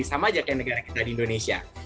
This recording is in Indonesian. sama aja kayak negara kita di indonesia